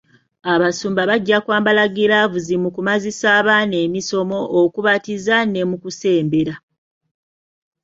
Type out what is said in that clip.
Abasumba bajja kwambala giraavuzi mu kumazisa abaana emisomo, okubatiza ne mu kusembera.